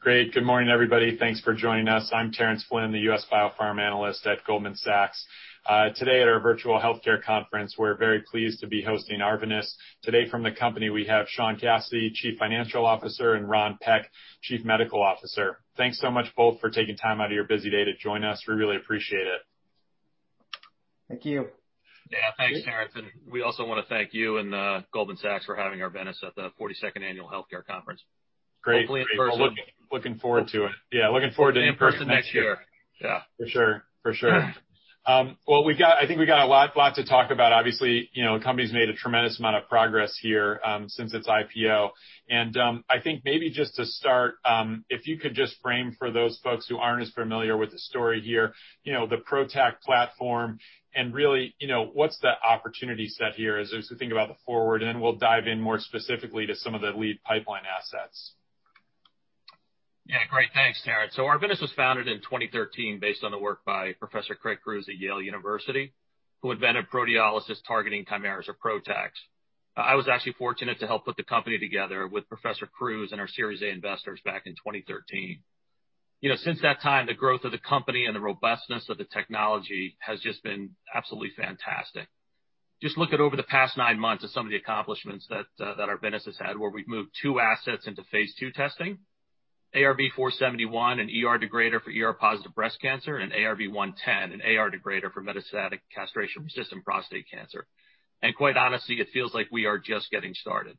Great. Good morning, everybody. Thanks for joining us. I'm Terence Flynn, the U.S. Biopharm analyst at Goldman Sachs. Today at our virtual healthcare conference, we're very pleased to be hosting Arvinas. Today from the company, we have Sean Cassidy, Chief Financial Officer, and Ronald Peck, Chief Medical Officer. Thanks so much both for taking time out of your busy day to join us. We really appreciate it. Thank you. Yeah. Thanks, Terence. We also want to thank you and Goldman Sachs for having Arvinas at the 42nd Annual Healthcare Conference. Great. Looking forward to it. Yeah, looking forward to in-person next year. Yeah. For sure. I think we got a lot to talk about. Obviously, the company's made a tremendous amount of progress here since its IPO. I think maybe just to start, if you could just frame for those folks who aren't as familiar with the story here, the PROTAC platform and really what's the opportunity set here as we think about the forward, and we'll dive in more specifically to some of the lead pipeline assets. Yeah, great. Thanks, Terence. Arvinas was founded in 2013 based on the work by Professor Craig Crews at Yale University, who invented proteolysis-targeting chimeras, or PROTACs. I was actually fortunate to help put the company together with Professor Crews and our Series A investors back in 2013. Since that time, the growth of the company and the robustness of the technology has just been absolutely fantastic. Just look at over the past nine months of some of the accomplishments that Arvinas has had where we've moved two assets into phase II testing, ARV-471, an ER degrader for ER-positive breast cancer, and ARV-110, an AR degrader for metastatic castration-resistant prostate cancer. Quite honestly, it feels like we are just getting started.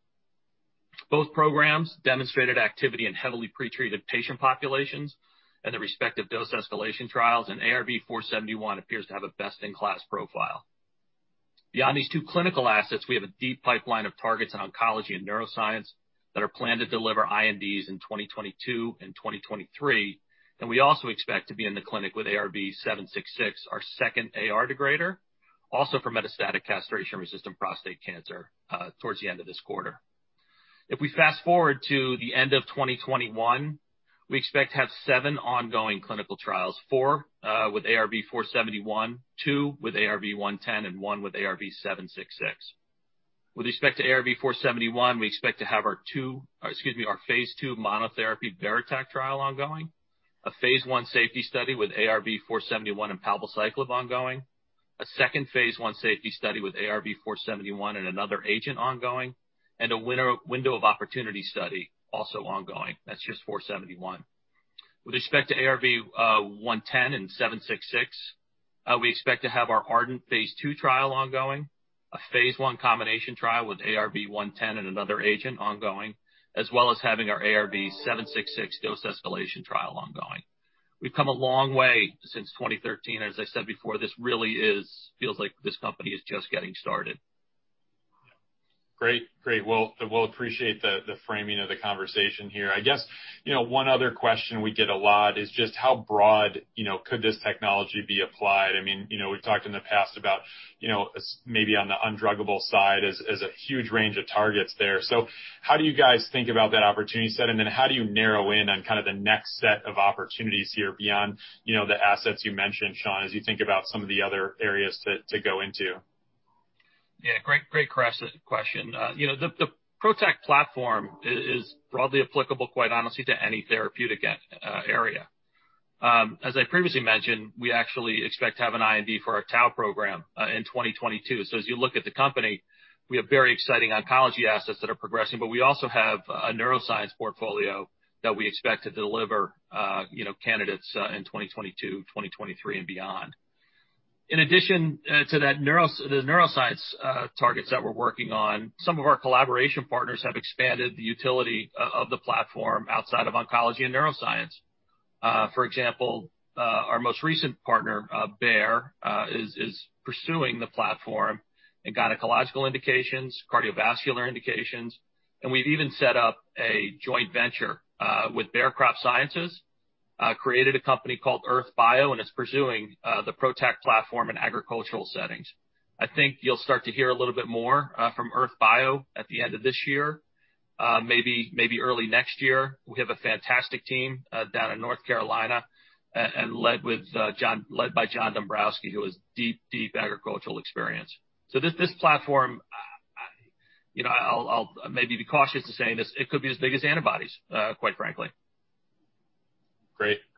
Both programs demonstrated activity in heavily pre-treated patient populations in the respective dose escalation trials, and ARV-471 appears to have a best-in-class profile. Beyond these two clinical assets, we have a deep pipeline of targets in oncology and neuroscience that are planned to deliver INDs in 2022 and 2023. We also expect to be in the clinic with ARV-766, our second AR degrader, also for metastatic castration-resistant prostate cancer towards the end of this quarter. If we fast-forward to the end of 2021, we expect to have seven ongoing clinical trials, four with ARV-471, two with ARV-110, and one with ARV-766. With respect to ARV-471, we expect to have our phase II monotherapy VERITAC trial ongoing, a phase I safety study with ARV-471 and palbociclib ongoing, a second phase I safety study with ARV-471 and another agent ongoing, and a window of opportunity study also ongoing. That's just 471. With respect to ARV-110 and 766, we expect to have our ARDENT phase II trial ongoing, a phase I combination trial with ARV-110 and another agent ongoing, as well as having our ARV-766 dose escalation trial ongoing. We've come a long way since 2013. As I said before, this really feels like this company is just getting started. Well appreciate the framing of the conversation here. I guess one other question we get a lot is just how broad could this technology be applied? We've talked in the past about maybe on the undruggable side, there's a huge range of targets there. How do you guys think about that opportunity set, and then how do you narrow in on kind of the next set of opportunities here beyond the assets you mentioned, Sean, as you think about some of the other areas to go into? Yeah. Great question. The PROTAC platform is broadly applicable, quite honestly, to any therapeutic area. As I previously mentioned, we actually expect to have an IND for our tau program in 2022. As you look at the company, we have very exciting oncology assets that are progressing, but we also have a neuroscience portfolio that we expect to deliver candidates in 2022, 2023, and beyond. In addition to the neuroscience targets that we're working on, some of our collaboration partners have expanded the utility of the platform outside of oncology and neuroscience. For example, our most recent partner, Bayer, is pursuing the platform in gynecological indications, cardiovascular indications, and we've even set up a joint venture with Bayer Crop Science, created a company called Oerth Bio, and it's pursuing the PROTAC platform in agricultural settings. I think you'll start to hear a little bit more from Oerth Bio at the end of this year, maybe early next year. We have a fantastic team down in North Carolina and led by John Dombrosky, who has deep agricultural experience. This platform, I'll maybe be cautious to say this, it could be as big as antibodies, quite frankly.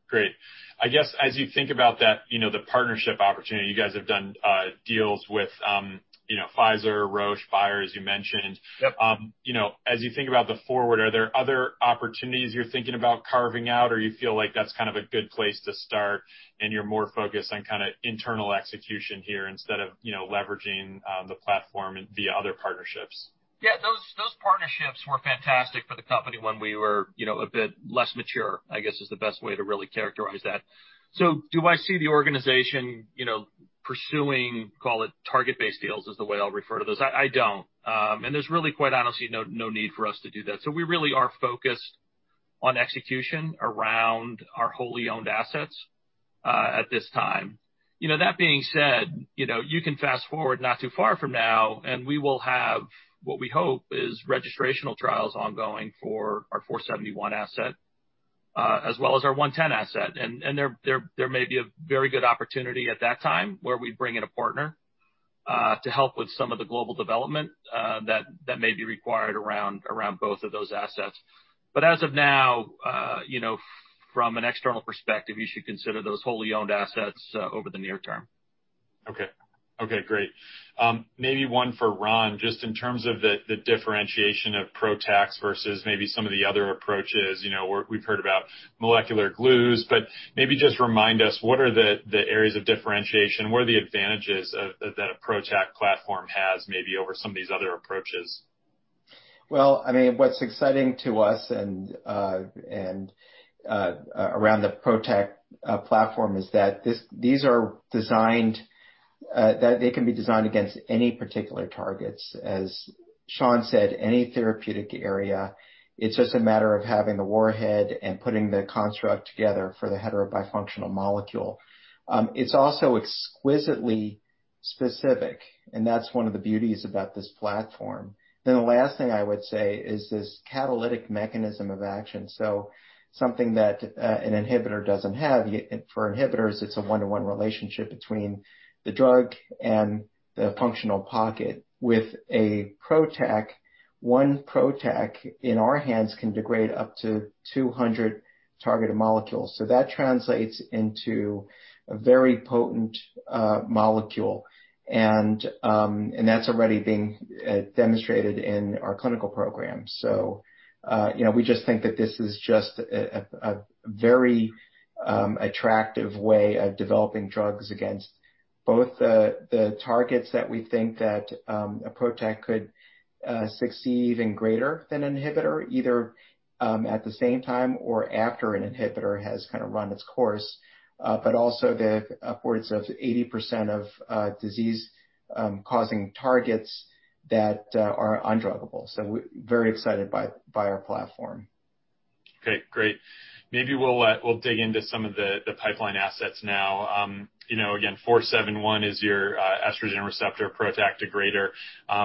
Great. I guess as you think about the partnership opportunity, you guys have done deals with Pfizer, Roche, Bayer, as you mentioned. Yep. As you think about the forward, are there other opportunities you're thinking about carving out, or you feel like that's kind of a good place to start and you're more focused on kind of internal execution here instead of leveraging the platform via other partnerships? Yeah, those partnerships were fantastic for the company when we were a bit less mature, I guess, is the best way to really characterize that. Do I see the organization pursuing, call it target-based deals is the way I'll refer to this? I don't. There's really, quite honestly, no need for us to do that. We really are focused on execution around our wholly owned assets at this time. That being said, you can fast-forward not too far from now, and we will have what we hope is registrational trials ongoing for our ARV-471 asset, as well as our ARV-110 asset, and there may be a very good opportunity at that time where we bring in a partner to help with some of the global development that may be required around both of those assets. As of now, from an external perspective, you should consider those wholly owned assets over the near term. Okay, great. Maybe one for Ron, just in terms of the differentiation of PROTACs versus maybe some of the other approaches. We've heard about molecular glues, maybe just remind us, what are the areas of differentiation? What are the advantages that a PROTAC platform has maybe over some of these other approaches? What's exciting to us and around the PROTAC platform is that they can be designed against any particular targets, as Sean said, any therapeutic area. It's just a matter of having a warhead and putting the construct together for the heterobifunctional molecule. It's also exquisitely specific, and that's one of the beauties about this platform. The last thing I would say is this catalytic mechanism of action. Something that an inhibitor doesn't have. For inhibitors, it's a one-to-one relationship between the drug and the functional pocket. With a PROTAC, one PROTAC in our hands can degrade up to 200 targeted molecules. That translates into a very potent molecule, and that's already being demonstrated in our clinical program. We just think that this is just a very attractive way of developing drugs against both the targets that we think that a PROTAC could succeed and greater than inhibitor, either at the same time or after an inhibitor has run its course, but also the upwards of 80% of disease-causing targets that are undruggable. We're very excited by our platform. Okay, great. Maybe we'll dig into some of the pipeline assets now. ARV-471 is your estrogen receptor PROTAC degrader.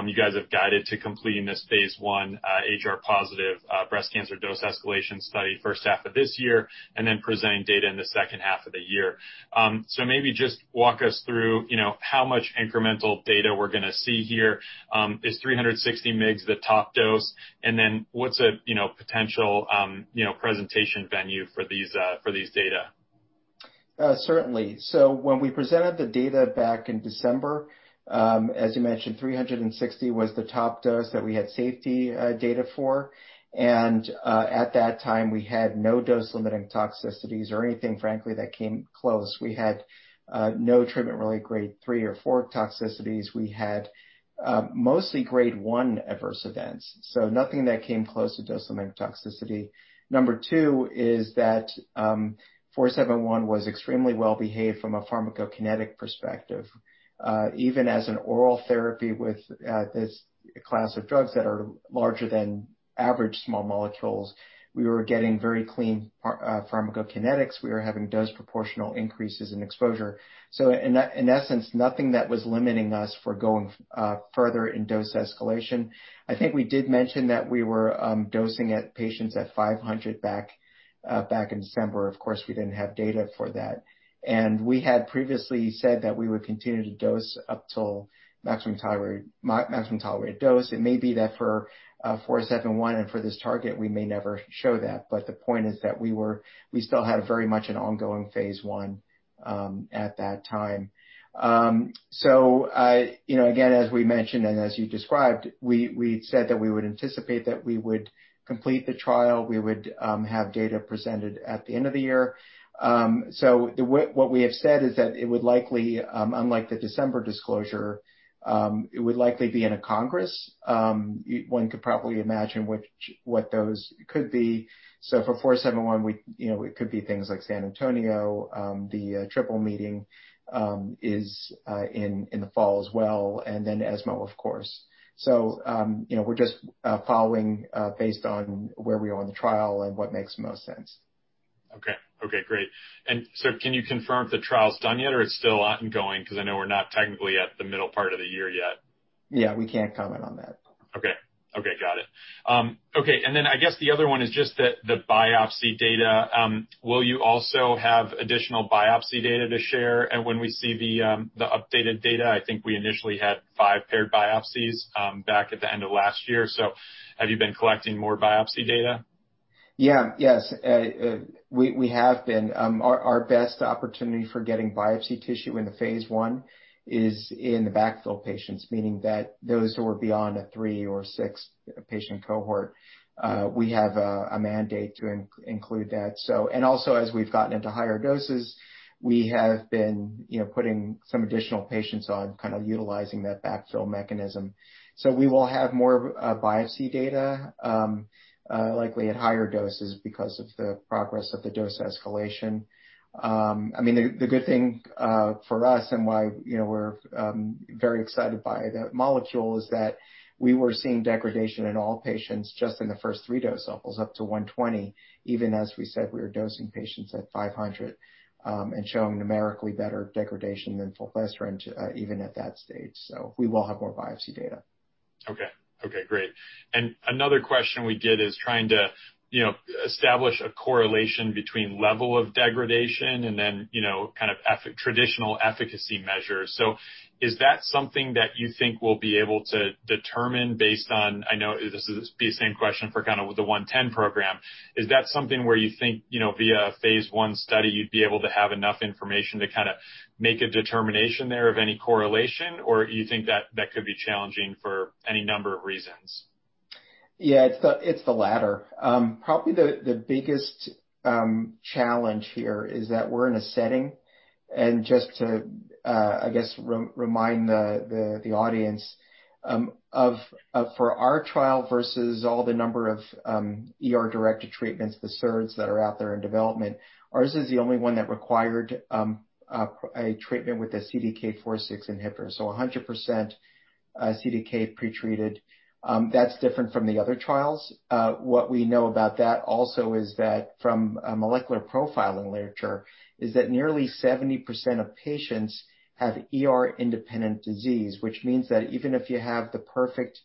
You guys have guided to completing this phase I HR-positive breast cancer dose escalation study the first half of this year and then presenting data in the second half of the year. Maybe just walk us through how much incremental data we're going to see here. Is 360 mg the top dose? What's a potential presentation venue for these data? Certainly. When we presented the data back in December, as you mentioned, 360 was the top dose that we had safety data for. At that time, we had no dose-limiting toxicities or anything, frankly, that came close. We had no treatment-related grade 3 or 4 toxicities. We had mostly grade 1 adverse events, nothing that came close to dose-limiting toxicity. Number two is that 471 was extremely well-behaved from a pharmacokinetic perspective. Even as an oral therapy with this class of drugs that are larger than average small molecules, we were getting very clean pharmacokinetics. We were having dose proportional increases in exposure. In essence, nothing that was limiting us for going further in dose escalation. I think we did mention that we were dosing at patients at 500 back in December. Of course, we didn't have data for that. We had previously said that we would continue to dose up till maximum tolerated dose. It may be that for 471 and for this target, we may never show that. The point is that we still have very much an ongoing phase I at that time. Again, as we mentioned and as you described, we said that we would anticipate that we would complete the trial, we would have data presented at the end of the year. What we have said is that it would likely, unlike the December disclosure, it would likely be in a Congress. One could probably imagine what those could be. For 471, it could be things like San Antonio, the AACR-NCI-EORTC Symposium is in the fall as well, and then ESMO, of course. We're just following based on where we are in the trial and what makes the most sense. Okay, great. Can you confirm if the trial's done yet, or it's still ongoing? Because I know we're not technically at the middle part of the year yet. Yeah, we can't comment on that. Okay. Got it. Okay, I guess the other one is just the biopsy data. Will you also have additional biopsy data to share? When we see the updated data, I think we initially had five paired biopsies back at the end of last year. Have you been collecting more biopsy data? Yeah. Yes, we have been. Our best opportunity for getting biopsy tissue in the phase I is in the backfill patients, meaning that those who are beyond a three or six-patient cohort. We have a mandate to include that. Also, as we've gotten into higher doses, we have been putting some additional patients on, kind of utilizing that backfill mechanism. We will have more biopsy data, likely at higher doses because of the progress of the dose escalation. The good thing for us and why we're very excited by that molecule is that we were seeing degradation in all patients just in the first three dose levels up to 120, even as we said we were dosing patients at 500 and showing numerically better degradation than fulvestrant even at that stage. We will have more biopsy data. Okay, great. Another question we get is trying to establish a correlation between level of degradation and then, kind of traditional efficacy measures. Is that something that you think we'll be able to determine? I know this is the same question for kind of with the 110 program. Is that something where you think, via a phase I study, you'd be able to have enough information to make a determination there of any correlation? Do you think that could be challenging for any number of reasons? Yeah. It's the latter. Probably the biggest challenge here is that we're in a setting, and just to, I guess, remind the audience, for our trial versus all the number of ER-directed treatments, the SERDs that are out there in development, ours is the only one that required a treatment with a CDK4/6 inhibitor. 100% CDK pre-treated. That's different from the other trials. What we know about that also is that from a molecular profiling literature, is that nearly 70% of patients have ER-independent disease, which means that even if you have the perfect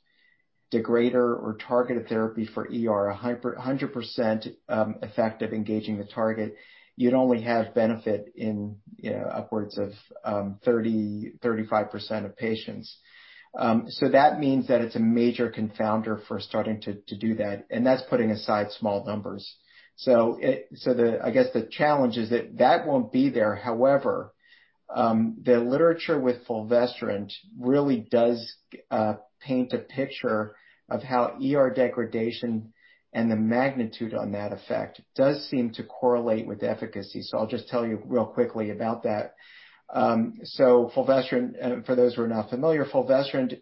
degrader or targeted therapy for ER, 100% effective engaging the target, you'd only have benefit in upwards of 35% of patients. That means that it's a major confounder for starting to do that, and that's putting aside small numbers. I guess the challenge is that that won't be there. However, the literature with fulvestrant really does paint a picture of how ER degradation and the magnitude on that effect does seem to correlate with efficacy. I'll just tell you real quickly about that. Fulvestrant, for those who are not familiar, fulvestrant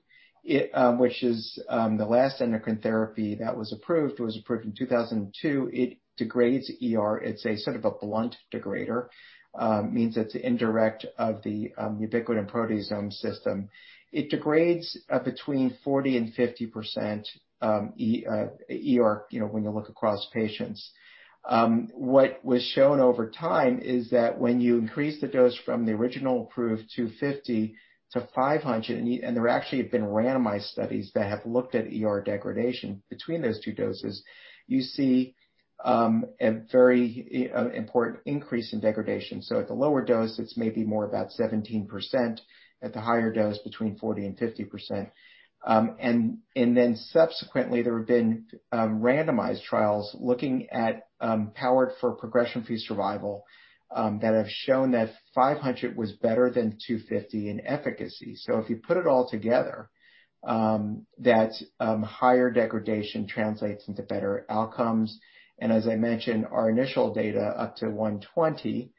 which is the last endocrine therapy that was approved, was approved in 2002. It degrades ER. It's a sort of a blunt degrader, means it's indirect of the ubiquitin proteasome system. It degrades between 40% and 50% ER when you look across patients. What was shown over time is that when you increase the dose from the original approved 250-500, and there actually have been randomized studies that have looked at ER degradation between those two doses, you see a very important increase in degradation. At the lower dose, it's maybe more about 17%, at the higher dose, between 40% and 50%. Subsequently, there have been randomized trials looking at powered for progression-free survival that have shown that 500 was better than 250 in efficacy. If you put it all together, that higher degradation translates into better outcomes. As I mentioned, our initial data up to 120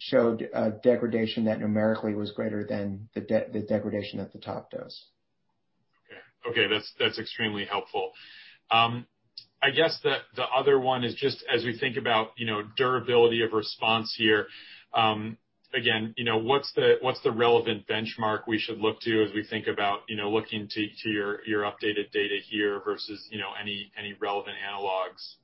showed a degradation that numerically was greater than the degradation at the top dose. Okay. That's extremely helpful. I guess the other one is just as we think about durability of response here, again, what's the relevant benchmark we should look to as we think about looking to your updated data here versus any relevant analogs?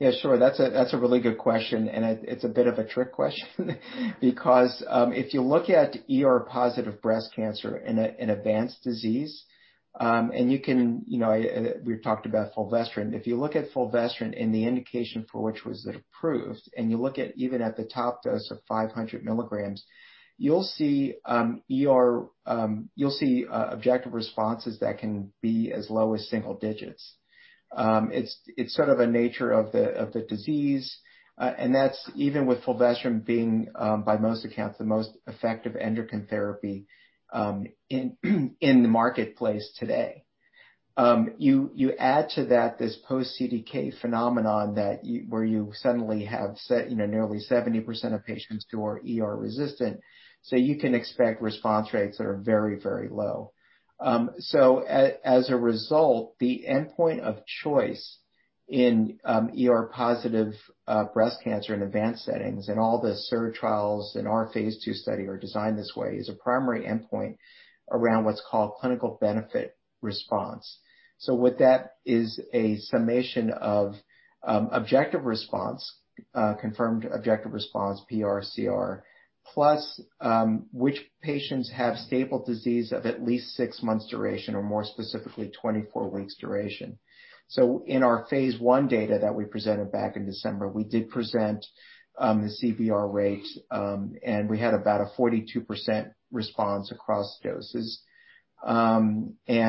Yeah, sure. That's a really good question, and it's a bit of a trick question because if you look at ER-positive breast cancer in advanced disease, and we've talked about fulvestrant. If you look at fulvestrant and the indication for which it was approved, and you look even at the top dose of 500 milligrams, you'll see objective responses that can be as low as single digits. It's sort of the nature of the disease, and that's even with fulvestrant being, by most accounts, the most effective endocrine therapy in the marketplace today. You add to that this post-CDK phenomenon where you suddenly have nearly 70% of patients who are ER-resistant, so you can expect response rates that are very, very low. As a result, the endpoint of choice in ER-positive breast cancer in advanced settings and all the SERD trials and our phase II study are designed this way, is a primary endpoint around what's called clinical benefit response. What that is a summation of confirmed objective response, PR/CR, plus which patients have stable disease of at least six months duration, or more specifically, 24 weeks duration. In our phase I data that we presented back in December, we did present the CBR rates, and we had about a 42% response across doses. I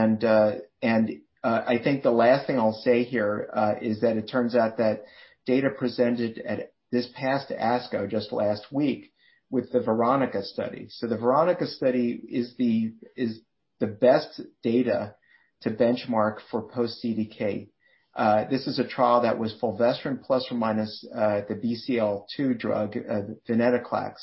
think the last thing I'll say here is that it turns out that data presented at this past ASCO just last week with the VERONICA study. The VERONICA study is the best data to benchmark for post-CDK. This is a trial that was fulvestrant plus or minus the BCL-2 drug venetoclax.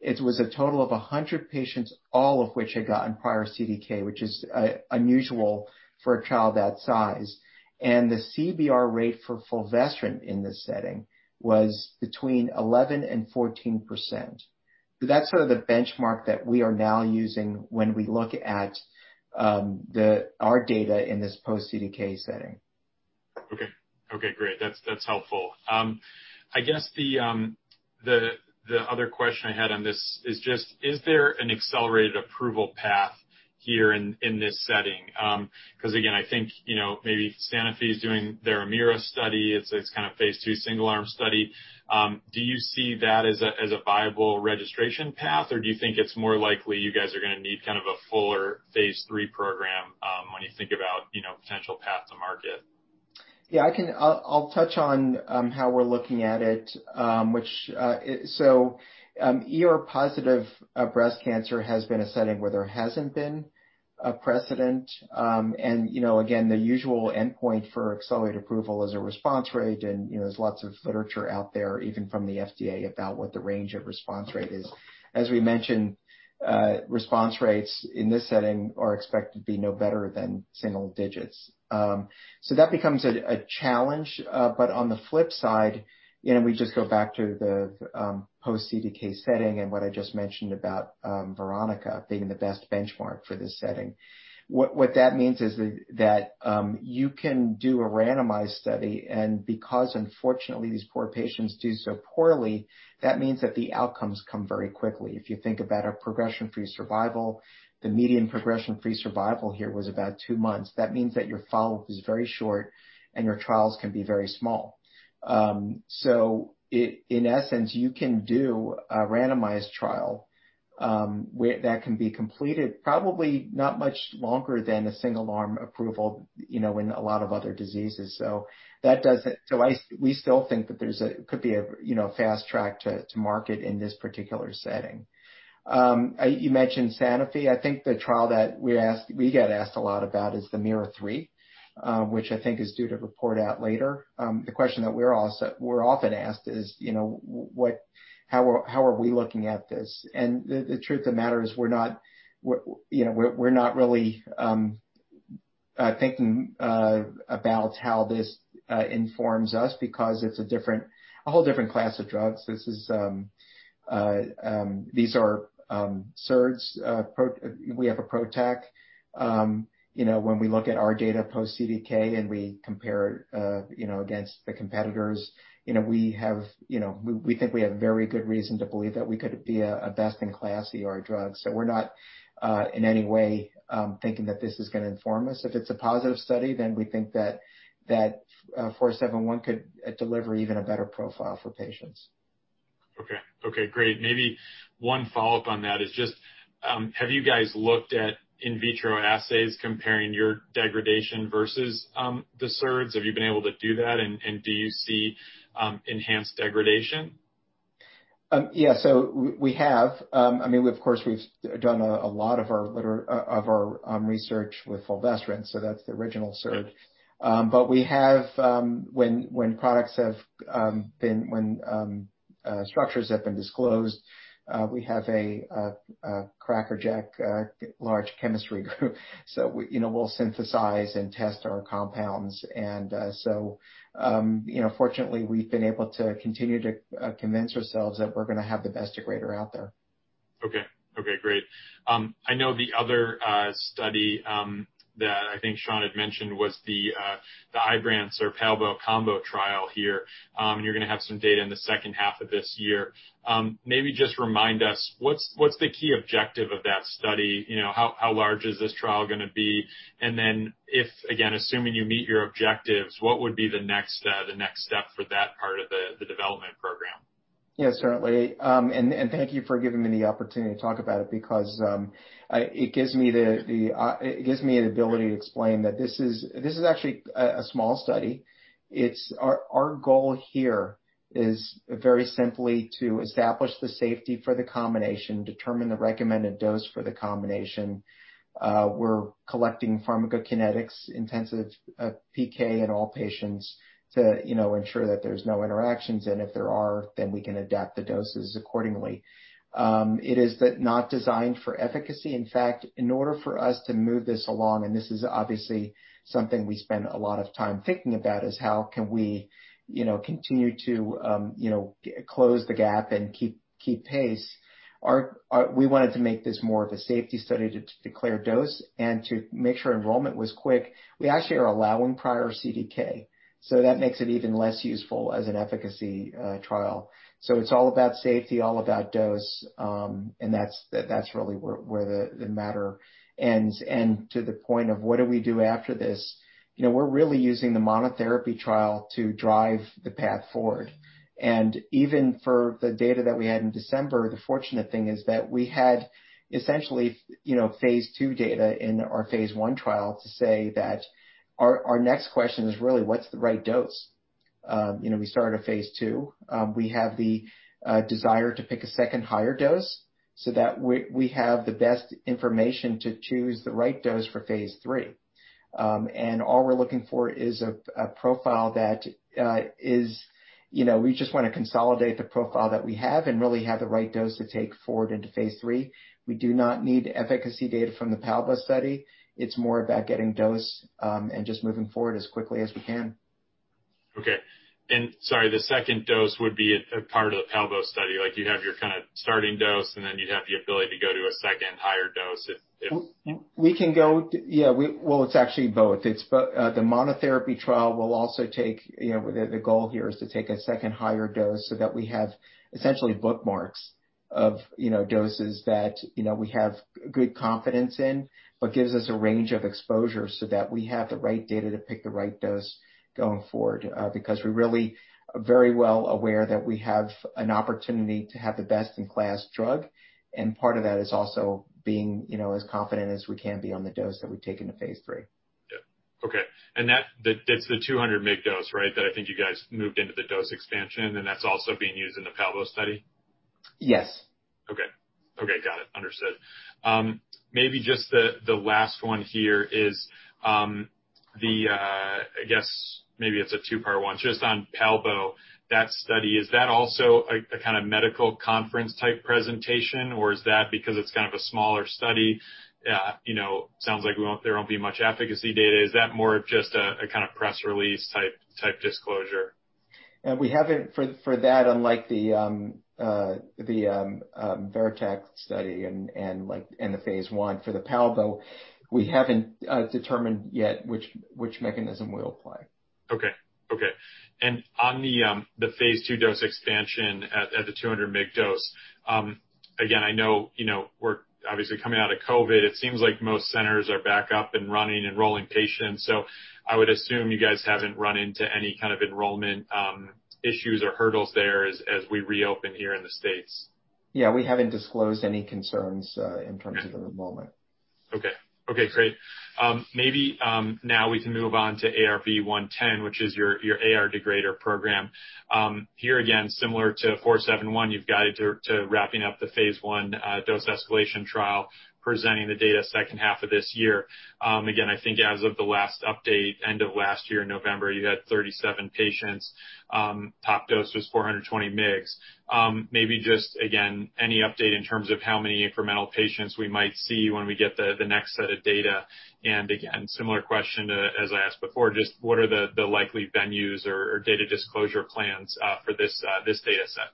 It was a total of 100 patients, all of which had gotten prior CDK, which is unusual for a trial that size. The CBR rate for fulvestrant in this setting was between 11% and 14%. That's sort of the benchmark that we are now using when we look at our data in this post-CDK setting. Okay, great. That's helpful. I guess the other question I had on this is just, is there an accelerated approval path here in this setting? Again, I think maybe Sanofi is doing their AMEERA study. It's a kind of phase II single-arm study. Do you see that as a viable registration path, or do you think it's more likely you guys are going to need kind of a fuller phase III program when you think about potential path to market? Yeah, I'll touch on how we're looking at it. ER-positive breast cancer has been a setting where there hasn't been a precedent. Again, the usual endpoint for accelerated approval is a response rate, and there's lots of literature out there, even from the FDA, about what the range of response rate is. As we mentioned, response rates in this setting are expected to be no better than single digits. That becomes a challenge. On the flip side, we just go back to the post-CDK setting and what I just mentioned about VERONICA being the best benchmark for this setting. What that means is that you can do a randomized study, and because unfortunately, these poor patients do so poorly, that means that the outcomes come very quickly. If you think about a progression-free survival, the median progression-free survival here was about two months. That means that your follow-up is very short, and your trials can be very small. In essence, you can do a randomized trial that can be completed probably not much longer than a single-arm approval in a lot of other diseases. We still think that there could be a fast track to market in this particular setting. You mentioned Sanofi. I think the trial that we get asked a lot about is the AMEERA-3, which I think is due to report out later. The question that we're often asked is, how are we looking at this? The truth of the matter is we're not really thinking about how this informs us because it's a whole different class of drugs. These are SERDs. We have a PROTAC. When we look at our data post-CDK and we compare it against the competitors, we think we have very good reason to believe that we could be a best-in-class ER drug. We're not in any way thinking that this is going to inform us. If it's a positive study, we think that 471 could deliver even a better profile for patients. Okay, great. Maybe one follow-up on that is just, have you guys looked at in vitro assays comparing your degradation versus the SERDs? Have you been able to do that, and do you see enhanced degradation? Yeah, we have. Of course, we've done a lot of our research with fulvestrant, that's the original SERD. When structures have been disclosed, we have a crackerjack large chemistry group, so we'll synthesize and test our compounds. Fortunately, we've been able to continue to convince ourselves that we're going to have the best degrader out there. Okay, great. I know the other study that I think Sean had mentioned was the IBRANCE or palbo combo trial here. You're going to have some data in the second half of this year. Maybe just remind us, what's the key objective of that study? How large is this trial going to be? Then if, again, assuming you meet your objectives, what would be the next step for that part of the development program? Yeah, certainly. Thank you for giving me the opportunity to talk about it, because it gives me the ability to explain that this is actually a small study. Our goal here is very simply to establish the safety for the combination, determine the recommended dose for the combination. We're collecting pharmacokinetics, intensive PK in all patients to ensure that there's no interactions, and if there are, then we can adapt the doses accordingly. It is not designed for efficacy. In fact, in order for us to move this along, and this is obviously something we spend a lot of time thinking about, is how can we continue to close the gap and keep pace. We wanted to make this more of a safety study to declare dose and to make sure enrollment was quick. We actually are allowing prior CDK, so that makes it even less useful as an efficacy trial. It's all about safety, all about dose, and that's really where the matter ends. To the point of what do we do after this, we're really using the monotherapy trial to drive the path forward. Even for the data that we had in December, the fortunate thing is that we had essentially phase II data in our phase I trial to say that our next question is really what's the right dose. We start a phase II. We have the desire to pick a second higher dose so that we have the best information to choose the right dose for phase III. All we're looking for is a profile. We just want to consolidate the profile that we have and really have the right dose to take forward into phase III. We do not need efficacy data from the palbociclib study. It's more about getting dose and just moving forward as quickly as we can. Okay. Sorry, the second dose would be a part of the palbo study. You'd have your starting dose, then you'd have the ability to go to a second higher dose. Well, it's actually both. The monotherapy trial, the goal here is to take a second higher dose so that we have essentially bookmarks of doses that we have good confidence in, but gives us a range of exposure so that we have the right data to pick the right dose going forward. We're really very well aware that we have an opportunity to have a best-in-class drug, and part of that is also being as confident as we can be on the dose that we take into phase III. Yeah. Okay. That's the 200 mg dose, right? That I think you guys moved into the dose expansion, and that's also being used in the palbo study. Yes. Okay. Got it. Understood. Maybe just the last one here. I guess maybe it's a two-part one. Just on palbo, that study, is that also a kind of medical conference type presentation, or is that because it's kind of a smaller study? Sounds like there won't be much efficacy data. Is that more of just a press release type disclosure? For that, unlike the VERITAC study and a phase I for the palbo, we haven't determined yet which mechanism we'll apply. Okay. On the phase II dose expansion at the 200 mg dose. I know we're obviously coming out of COVID. It seems like most centers are back up and running, enrolling patients. I would assume you guys haven't run into any kind of enrollment issues or hurdles there as we reopen here in the States. Yeah, we haven't disclosed any concerns in terms of enrollment. Okay, great. Maybe now we can move on to ARV-110, which is your AR degrader program. Here again, similar to 471, you've guided to wrapping up the phase I dose escalation trial, presenting the data second half of this year. Again, I think as of the last update end of last year, November, you had 37 patients. Top dose was 420 mgs. Maybe just again, any update in terms of how many formal patients we might see when we get the next set of data? Again, similar question as I asked before, just what are the likely venues or data disclosure plans for this data set?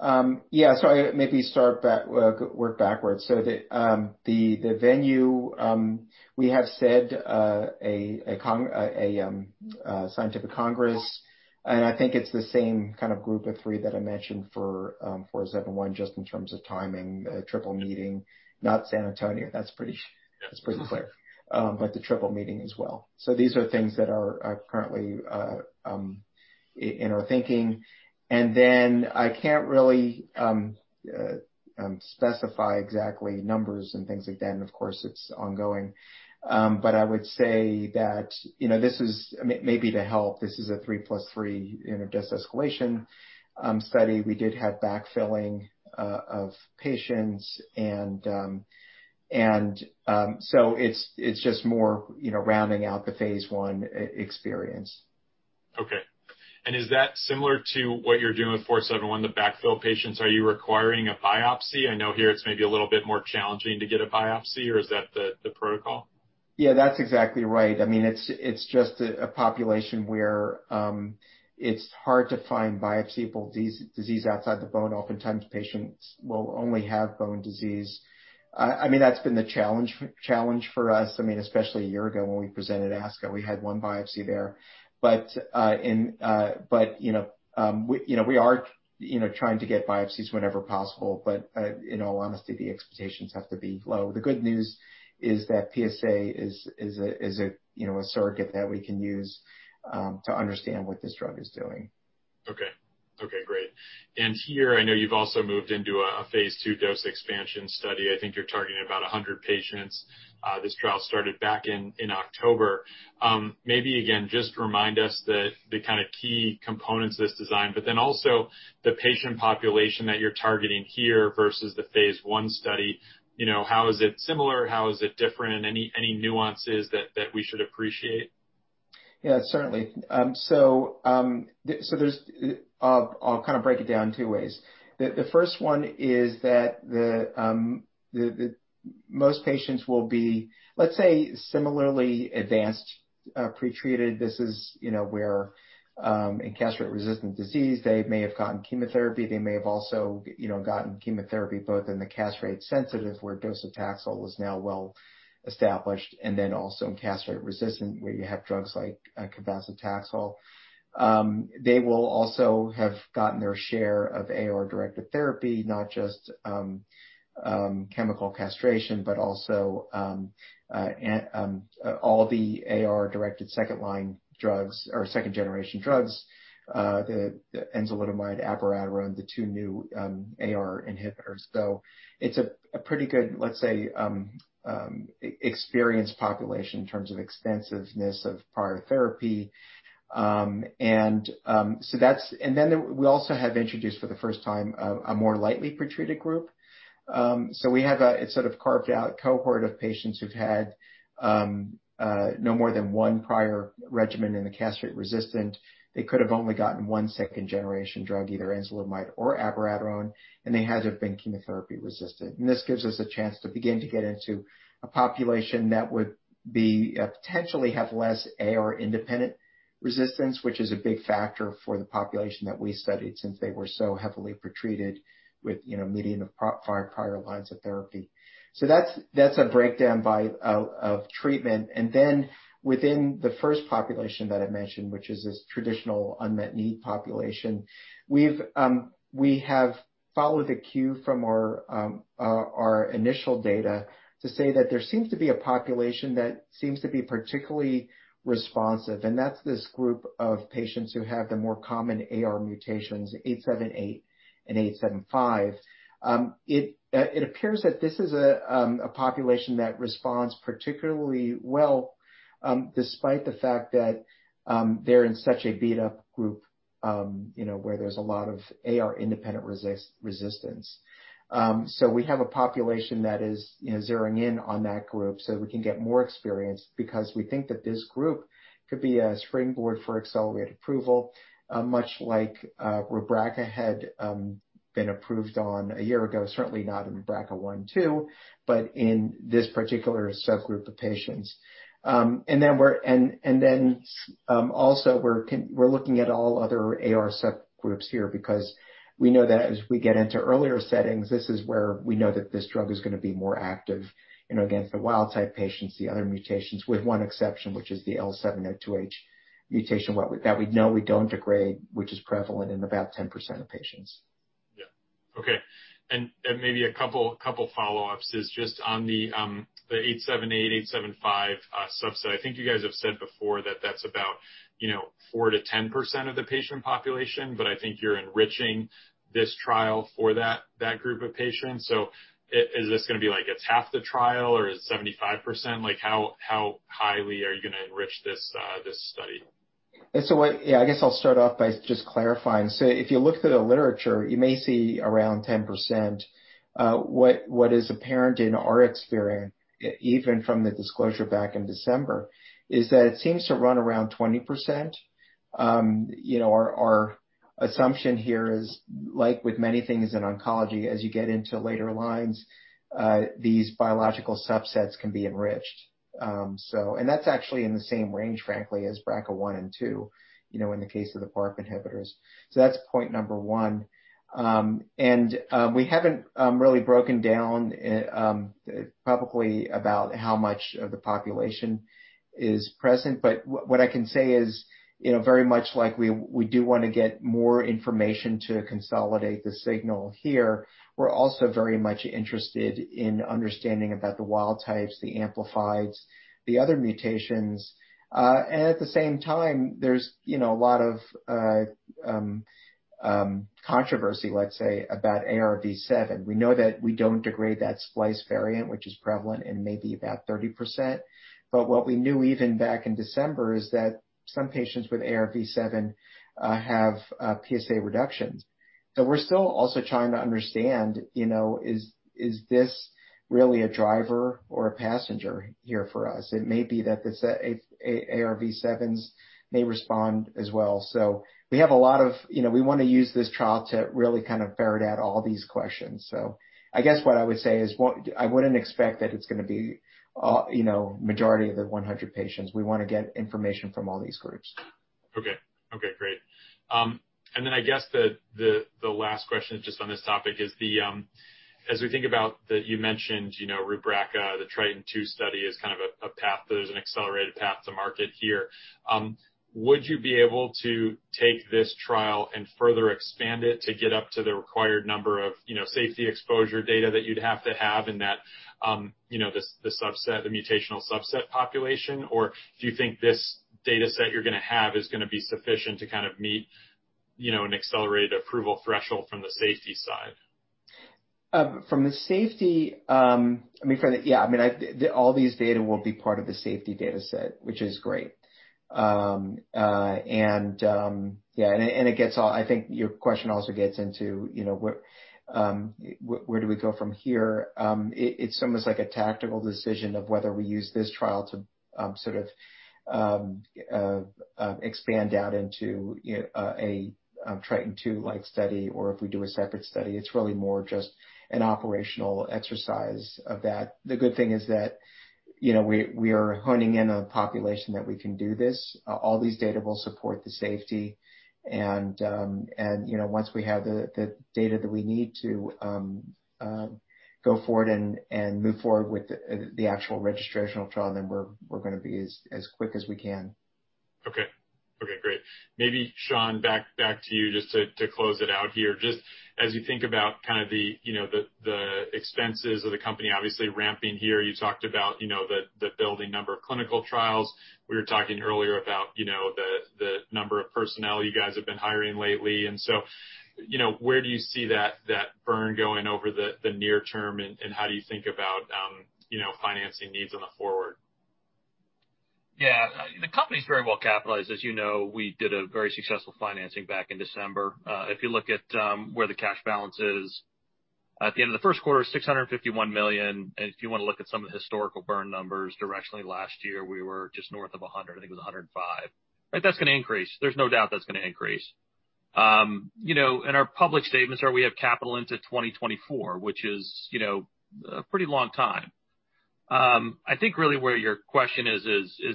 Yeah. Maybe start work backwards. The venue, we have said a scientific congress, and I think it's the same group of three that I mentioned for 471, just in terms of timing, the AACR-NCI-EORTC Symposium, not San Antonio. That's pretty clear. The AACR-NCI-EORTC Symposium as well. These are things that are currently in our thinking. I can't really specify exactly numbers and things like that. Of course, it's ongoing. I would say that, maybe to help, this is a 3+3 dose escalation study. We did have backfilling of patients and so it's just more rounding out the phase I experience. Okay. Is that similar to what you're doing with 471, the backfill patients? Are you requiring a biopsy? I know here it's maybe a little bit more challenging to get a biopsy, or is that the protocol? Yeah, that's exactly right. It's just a population where it's hard to find biopsy of disease outside the bone. Oftentimes, patients will only have bone disease. That's been the challenge for us, especially a year ago when we presented ASCO, we had one biopsy there. We are trying to get biopsies whenever possible, but in all honesty, the expectations have to be low. The good news is that PSA is a surrogate that we can use to understand what this drug is doing. Okay. Great. Here, I know you've also moved into a phase II dose expansion study. I think you're targeting about 100 patients. This trial started back in October. Maybe again, just remind us the key components of this design, also the patient population that you're targeting here versus the phase I study. How is it similar? How is it different? Any nuances that we should appreciate? Yeah, certainly. I'll break it down two ways. The first one is that most patients will be, let's say, similarly advanced, pre-treated. This is where in castrate-resistant disease, they may have gotten chemotherapy. They may have also gotten chemotherapy both in the castrate-sensitive, where docetaxel is now well established, and then also in castrate-resistant, where you have drugs like. They will also have gotten their share of AR-directed therapy, not just chemical castration, but also all the AR-directed second-generation drugs, the enzalutamide, apalutamide, the two new AR inhibitors. It's a pretty good, let's say, experienced population in terms of extensiveness of prior therapy. We also have introduced for the first time a more lightly pre-treated group. We have a sort of carved-out cohort of patients who've had no more than one prior regimen in the castration-resistant. They could have only gotten one second-generation drug, either enzalutamide or abiraterone, and they haven't been chemotherapy-resistant. This gives us a chance to begin to get into a population that would potentially have less AR-independent resistance, which is a big factor for the population that we studied since they were so heavily pretreated with a median of five prior lines of therapy. That's a breakdown of treatment. Within the first population that I mentioned, which is this traditional unmet need population, we have followed the cue from our initial data to say that there seems to be a population that seems to be particularly responsive, and that's this group of patients who have the more common AR mutations, 878 and 875. It appears that this is a population that responds particularly well, despite the fact that they're in such a beat-up group, where there's a lot of AR-independent resistance. We have a population that is zeroing in on that group, so we can get more experience because we think that this group could be a springboard for accelerated approval, much like RUBRACA had been approved on a year ago, certainly not in TRITON2, but in this particular subgroup of patients. We are looking at all other AR subgroups here because we know that as we get into earlier settings, this is where we know that this drug is going to be more active against the wild type patients, the other mutations, with one exception, which is the L702H mutation that we know we don't degrade, which is prevalent in about 10% of patients. Yeah. Okay. Maybe a couple follow-ups is just on the T878A, H875 subset. I think you guys have said before that's about 4%-10% of the patient population. I think you're enriching this trial for that group of patients. Is this going to be like it's half the trial or is it 75%? How highly are you going to enrich this study? Yeah, I guess I'll start off by just clarifying. If you looked at the literature, you may see around 10%. What is apparent in our experience, even from the disclosure back in December, is that it seems to run around 20%. Our assumption here is like with many things in oncology, as you get into later lines, these biological subsets can be enriched. That's actually in the same range, frankly, as BRCA1 and 2, in the case of the PARP inhibitors. That's point number one. We haven't really broken down publicly about how much of the population is present. What I can say is very much likely we do want to get more information to consolidate the signal here. We're also very much interested in understanding about the wild types, the amplified, the other mutations. At the same time, there's a lot of controversy, let's say, about AR-V7. We know that we don't degrade that splice variant, which is prevalent in maybe about 30%. What we knew even back in December is that some patients with AR-V7 have PSA reductions. We're still also trying to understand, Is this really a driver or a passenger here for us? It may be that AR-V7s may respond as well. We want to use this trial to really kind of ferret out all these questions. I guess what I would say is what I wouldn't expect that it's going to be majority of the 100 patients. We want to get information from all these groups. Okay. Great. I guess the last question just on this topic is as we think about that you mentioned RUBRACA, the TRITON2 study as kind of a path, there's an accelerated path to market here. Would you be able to take this trial and further expand it to get up to the required number of safety exposure data that you'd have to have in that the subset, the mutational subset population? Do you think this data set you're going to have is going to be sufficient to kind of meet an accelerated approval threshold from the safety side? I mean, yeah. I mean, all these data will be part of the safety data set, which is great. Yeah. I think your question also gets into where do we go from here? It's almost like a tactical decision of whether we use this trial to sort of expand out into a TRITON2 like study or if we do a separate study. It's really more just an operational exercise of that. The good thing is that we are honing in on a population that we can do this. All these data will support the safety. Once we have the data that we need to go forward and move forward with the actual registrational trial, we're going to be as quick as we can. Okay, great. Maybe, Sean, back to you just to close it out here. Just as you think about the expenses of the company obviously ramping here, you talked about the building number of clinical trials. We were talking earlier about the number of personnel you guys have been hiring lately. Where do you see that burn going over the near term, and how do you think about financing needs on the forward? Yeah. The company's very well capitalized. As you know, we did a very successful financing back in December. If you look at where the cash balance is at the end of the first quarter, $651 million. If you want to look at some of the historical burn numbers directionally last year, we were just north of $100, I think $105. That's going to increase. There's no doubt that's going to increase. In our public statements are we have capital into 2024, which is a pretty long time. I think really where your question is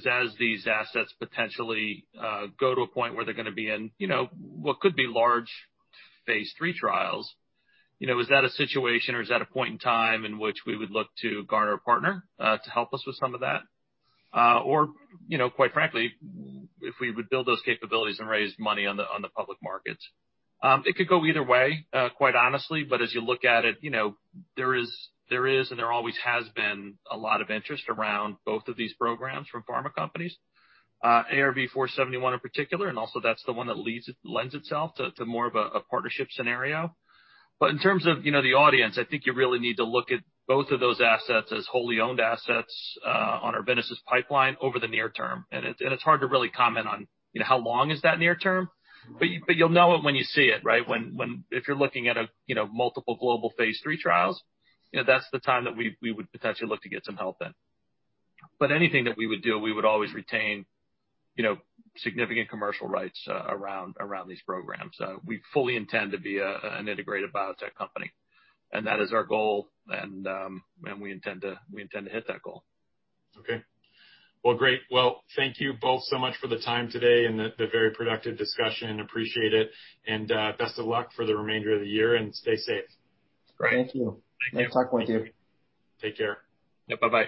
as these assets potentially go to a point where they're going to be in what could be large phase III trials, is that a situation or is that a point in time in which we would look to garner a partner to help us with some of that? Quite frankly, if we would build those capabilities and raise money on the public markets. It could go either way, quite honestly. As you look at it, there is and there always has been a lot of interest around both of these programs from pharma companies. ARV-471 in particular, also that's the one that lends itself to more of a partnership scenario. In terms of the audience, I think you really need to look at both of those assets as wholly owned assets on our business pipeline over the near term. It's hard to really comment on how long is that near term, you'll know it when you see it, right? If you're looking at multiple global phase III trials, that's the time that we would potentially look to get some help in. Anything that we would do, we would always retain significant commercial rights around these programs. We fully intend to be an integrated biotech company, and that is our goal. We intend to hit that goal. Okay. Well, great. Well, thank you both so much for the time today and the very productive discussion. Appreciate it. Best of luck for the remainder of the year, and stay safe. Thank you. Thanks for talking with you. Take care. Yep. Bye-bye.